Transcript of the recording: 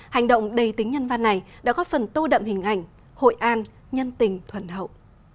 hành động đầy tính nhân văn này đã góp phần tô đậm hình ảnh hội an nhân tình thuần hậu